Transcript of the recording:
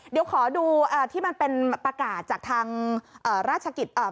เดี๋ยวขอดูที่มันเป็นประกาศจากทางราชกิจ